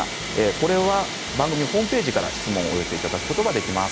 これは番組ホームページから質問をお寄せいただくことができます。